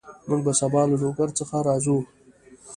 موږ به سبا له لوګر څخه راځو